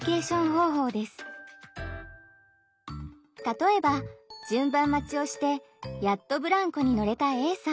例えば順番待ちをしてやっとブランコに乗れたＡさん。